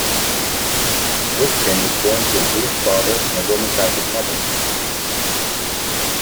Witkin was born to a Jewish father and Roman Catholic mother.